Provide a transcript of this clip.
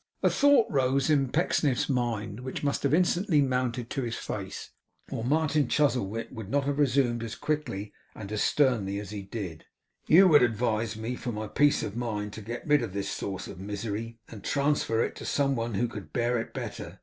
A thought arose in Pecksniff's mind, which must have instantly mounted to his face, or Martin Chuzzlewit would not have resumed as quickly and as sternly as he did: 'You would advise me for my peace of mind, to get rid of this source of misery, and transfer it to some one who could bear it better.